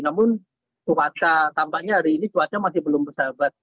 namun cuaca tampaknya hari ini cuaca masih belum bersahabat